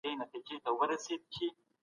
یوه لاښ ته یې سو مخ پراخ او ژور و